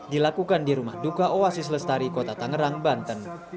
dilakukan di rumah duka oasis lestari kota tangerang banten